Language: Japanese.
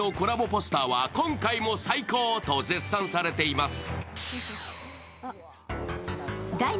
ポスターは今回も最高と絶賛されています。